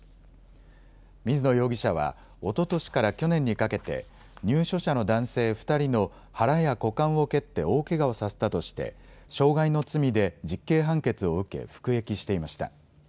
水野容疑者はおととしから去年にかけて入所者の男性２人の腹や股間を蹴って大けがをさせたとして傷害の罪で実刑判決を受け服役していました。